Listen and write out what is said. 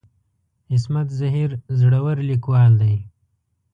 عصمت زهیر زړور ليکوال دی.